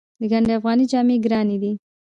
د ګنډ افغاني جامې ګرانې دي؟